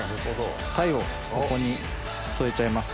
鯛をここに添えちゃいます。